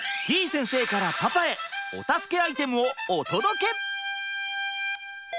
先生からパパへお助けアイテムをお届け！